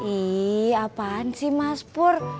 ih apaan sih mas pur